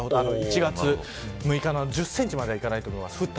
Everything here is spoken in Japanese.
１月６日の１０センチまではいかないと思います。